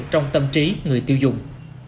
trong tâm trí người tiêu dùng